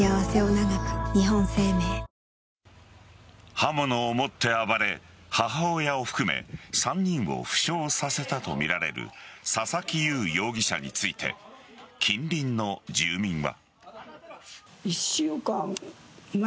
刃物を持って暴れ母親を含め３人を負傷させたとみられる佐々木祐容疑者について近隣の住民は。